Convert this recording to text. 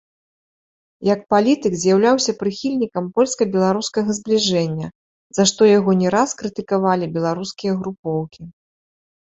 Як палітык з'яўляўся прыхільнікам польска-беларускага збліжэння, за што яго не раз крытыкавалі беларускія групоўкі.